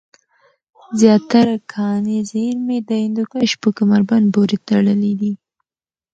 زیاتره کاني زېرمي د هندوکش په کمربند پورې تړلې دی